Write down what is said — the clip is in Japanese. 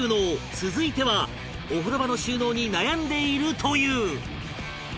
続いてはお風呂場の収納に悩んでいるという